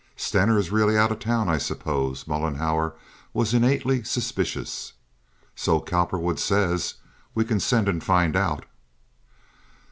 "Stener is really out of town, I suppose?" Mollenhauer was innately suspicious. "So Cowperwood says. We can send and find out."